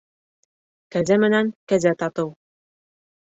Кәзә менән кәзә татыу.